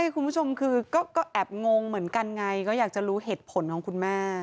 คุณผู้ชมคือก็แอบงงเหมือนกันไงก็อยากจะรู้เหตุผลของคุณแม่